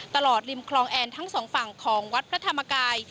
ริมคลองแอนทั้งสองฝั่งของวัดพระธรรมกาย